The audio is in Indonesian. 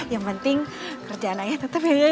yang penting kerjaan ayah tetep ya iya ya